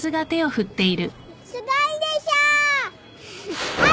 すごいでしょ？あっ！